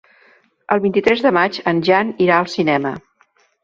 El vint-i-tres de maig en Jan irà al cinema.